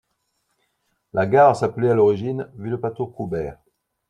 La gare s'appelait à l'origine Villepatour-Coubert.